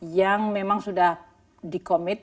yang memang sudah di komit